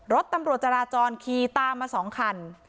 รถตำรวจจราจรขี่ตามมา๒คัน